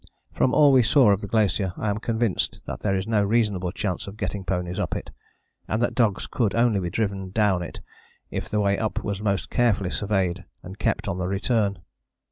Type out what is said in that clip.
From all we saw of the glacier I am convinced that there is no reasonable chance of getting ponies up it, and that dogs could only be driven down it if the way up was most carefully surveyed and kept on the return.